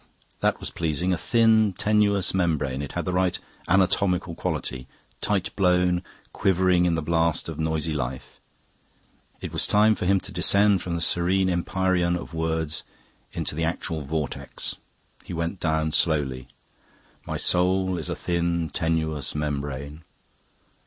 That was pleasing: a thin, tenuous membrane. It had the right anatomical quality. Tight blown, quivering in the blast of noisy life. It was time for him to descend from the serene empyrean of words into the actual vortex. He went down slowly. "My soul is a thin, tenuous membrane..."